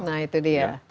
nah itu dia